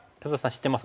知ってます？